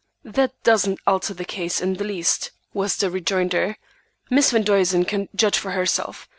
"That doesn't alter the case in the least," was the rejoinder. "Miss Van Duzen can judge for herself.